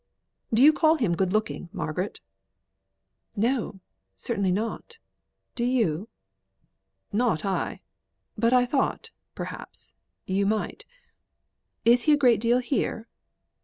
Do you call him good looking, Margaret?" "No! certainly not. Do you?" "Not I. But I thought perhaps you might. Is he a great deal here?"